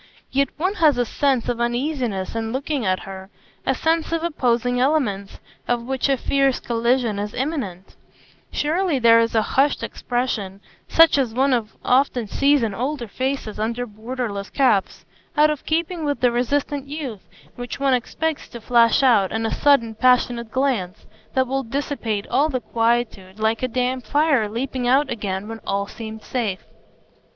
Yet one has a sense of uneasiness in looking at her,—a sense of opposing elements, of which a fierce collision is imminent; surely there is a hushed expression, such as one often sees in older faces under borderless caps, out of keeping with the resistant youth, which one expects to flash out in a sudden, passionate glance, that will dissipate all the quietude, like a damp fire leaping out again when all seemed safe.